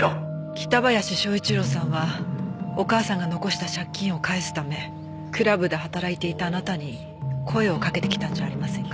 北林昭一郎さんはお母さんが残した借金を返すためクラブで働いていたあなたに声をかけてきたんじゃありませんか？